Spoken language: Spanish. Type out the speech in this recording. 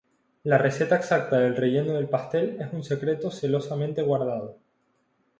La receta exacta del relleno del pastel es un secreto celosamente guardado.